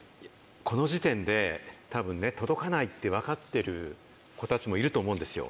この時点で多分届かないって分かってる子たちもいると思うんですよ。